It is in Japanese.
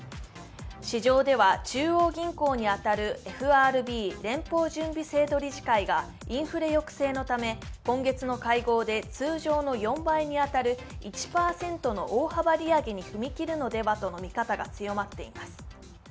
市場では、中央銀行に当たるＦＲＢ＝連邦準備制度理事会がインフレ抑制のため今月の会合で通常の４倍に当たる１％の大幅利上げに踏み切るのではとの見方が強まっています。